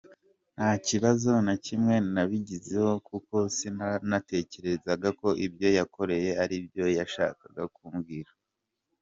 Nta kibazo na kimwe nabigizeho kuko sinanatekerezagako ibyo yankoreye aribyo yashakaga kumbwira.